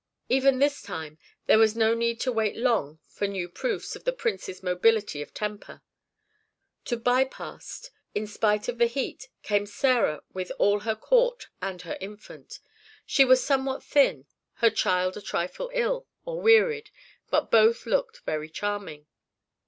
Even this time there was no need to wait long for new proofs of the prince's mobility of temper. To Pi Bast, in spite of the heat, came Sarah with all her court and her infant. She was somewhat thin, her child a trifle ill, or wearied, but both looked very charming.